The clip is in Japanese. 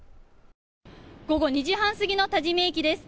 午後１時半過ぎの多治見駅です。